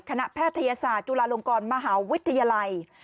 แพทยศาสตร์จุฬาลงกรมหาวิทยาลัย